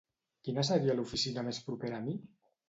Quina seria l'oficina més propera a mi?